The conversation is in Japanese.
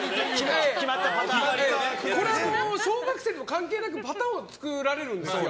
これは小学生でも関係なくパターンを作られるんですよ。